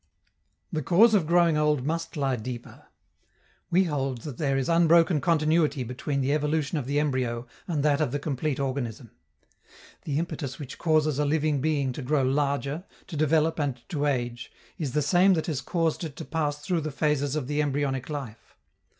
The cause of growing old must lie deeper. We hold that there is unbroken continuity between the evolution of the embryo and that of the complete organism. The impetus which causes a living being to grow larger, to develop and to age, is the same that has caused it to pass through the phases of the embryonic life.